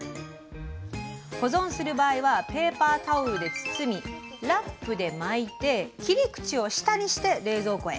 保存する場合はペーパータオルで包みラップで巻いて切り口を下にして冷蔵庫へ。